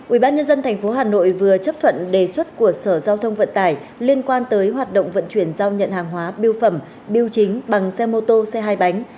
ubnd tp hà nội vừa chấp thuận đề xuất của sở giao thông vận tải liên quan tới hoạt động vận chuyển giao nhận hàng hóa biêu phẩm biểu chính bằng xe mô tô xe hai bánh